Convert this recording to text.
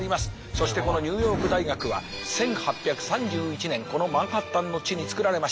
そしてこのニューヨーク大学は１８３１年このマンハッタンの地につくられました。